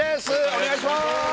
お願いします